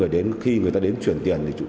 để khi người ta đến chuyển tiền